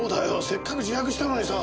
せっかく自白したのにさ。